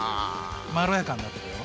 まろやかになってくよ。